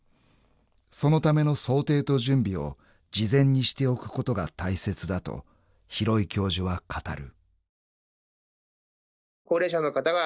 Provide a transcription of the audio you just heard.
［そのための想定と準備を事前にしておくことが大切だと廣井教授は語る］